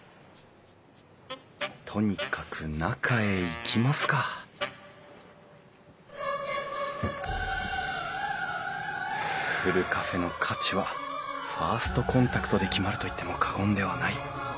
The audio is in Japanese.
とにかく中へ行きますかふるカフェの価値はファーストコンタクトで決まると言っても過言ではない。